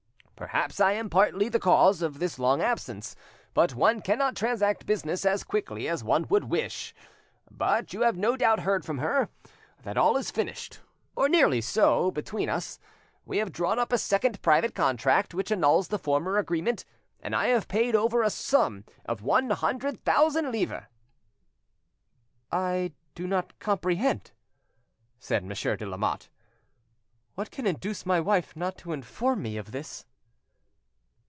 Perhaps I am partly the cause of this long absence, but one cannot transact business as quickly as one would wish. But, you have no doubt heard from her, that all is finished, or nearly so, between us. We have drawn up a second private contract, which annuls the former agreement, and I have paid over a sum of one hundred thousand livres." "I do not comprehend," said Monsieur de Lamotte. "What can induce my wife not to inform me of this?"